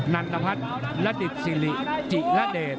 นันพัฒน์ระดิษฐริจิระเดช